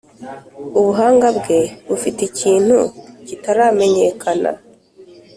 ubuhanga bwe bufite ikintu kitaramenyekana.